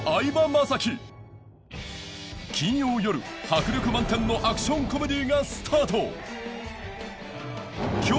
金曜よる迫力満点のアクションコメディがスタート